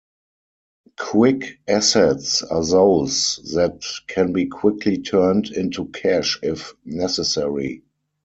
Quick assets are those that can be quickly turned into cash if necessary.